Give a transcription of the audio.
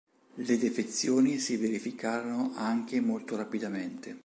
Le defezioni si verificano anche molto rapidamente.